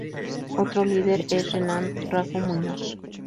Otro líder es Renán Raffo Muñoz.